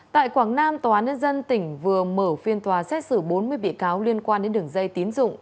tại quảng nam tòa án nhân dân tỉnh vừa mở phiên tòa xét xử bốn mươi bị cáo liên quan đến đường dây tín dụng